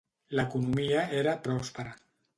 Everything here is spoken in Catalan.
L'economia era pròspera.